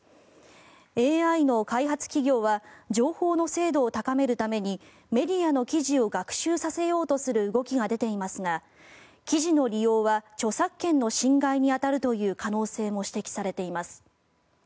ＡＩの開発企業は情報の精度を高めるためにメディアの記事を学習させようとする動きが出ていますが記事の利用は著作権の侵害に当たるという可能性も指摘されています。